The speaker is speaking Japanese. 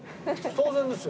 当然ですよ。